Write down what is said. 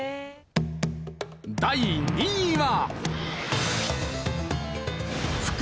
第２位は。